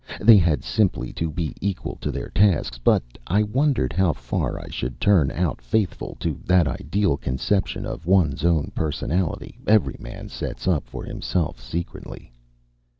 They had simply to be equal to their tasks; but I wondered how far I should turn out faithful to that ideal conception of one's own personality every man sets up for himself secretly.